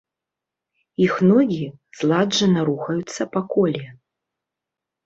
Іх ногі зладжана рухаюцца па коле.